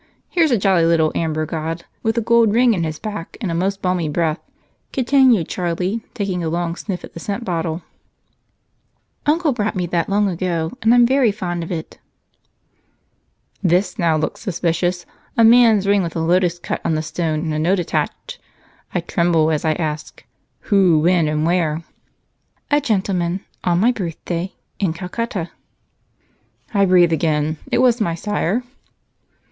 Here's a jolly little amber god with a gold ring in his back and a most balmy breath," continued Charlie, taking a long sniff at the scent bottle. "Uncle brought me that long ago, and I'm very fond of it." "This now looks suspicious man's ring with a lotus cut on the stone and a note attached. I tremble as I ask, who, when, and where?" "A gentleman, on my birthday, in Calcutta." "I breathe again it was my sire?"